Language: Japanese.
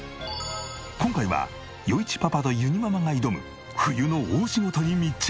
今回は余一パパとゆにママが挑む冬の大仕事に密着。